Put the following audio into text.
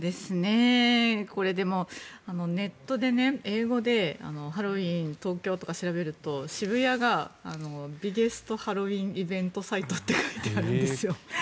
でもネットで英語でハロウィーン、東京とか調べると、渋谷がビゲスト・ハロウィーンイベント・サイトって書いてあるんですよ。